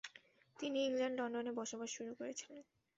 তিনি ইংল্যান্ডের লন্ডনে বসবাস শুরু করেছিলেন।